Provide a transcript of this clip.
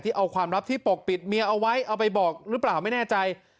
เอาความลับที่ปกปิดเมียเอาไว้เอาไปบอกหรือเปล่าไม่แน่ใจ